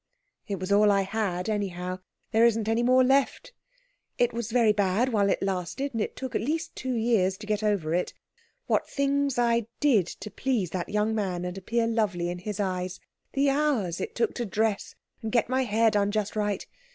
"It was all I had, anyhow. There isn't any more left. It was very bad while it lasted, and it took at least two years to get over it. What things I did to please that young man and appear lovely in his eyes! The hours it took to dress, and get my hair done just right.